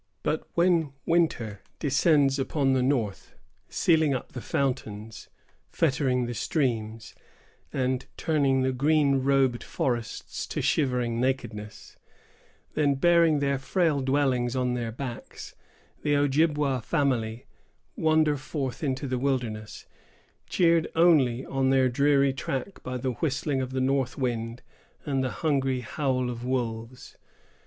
But when winter descends upon the north, sealing up the fountains, fettering the streams, and turning the green robed forests to shivering nakedness, then, bearing their frail dwellings on their backs, the Ojibwa family wander forth into the wilderness, cheered only on their dreary track by the whistling of the north wind, and the hungry howl of wolves.